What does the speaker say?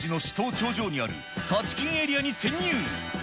頂上にあるタチキンエリアに潜入。